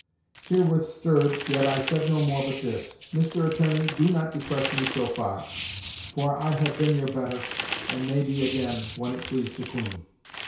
"Herewith stirred, yet I said no more but this: '_Mr. Attorney, do not depress me so far; for I have been your better, and may be again, when it please the Queen.